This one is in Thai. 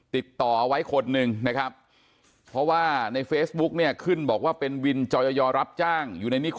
ติดต่อเอาไว้คนหนึ่งนะครับเพราะว่าในเฟซบุ๊กเนี่ยขึ้นบอกว่าเป็นวินจอยอรับจ้างอยู่ในนิคม